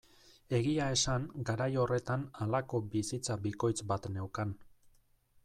Egia esan garai horretan halako bizitza bikoitz bat neukan.